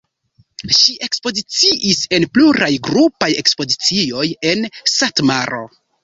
Ŝi ekspoziciis en pluraj grupaj ekspozicioj en Satmaro.